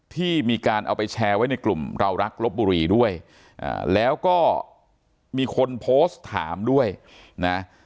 ที่มีการเอาไปแชร์ไว้ในกลุ่มเรารักลบบุรีด้วยแล้วก็มีคนโพสต์ถามด้วยนะ